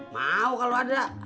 mau kalau ada